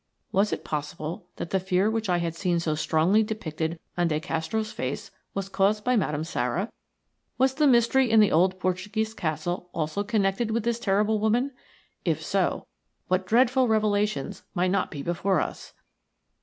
Was it possible that the fear which I had seen so strongly depicted on De Castro's face was caused by Madame Sara? Was the mystery in the old Portuguese castle also connected with this terrible woman? If so, what dreadful revelations might not be before us!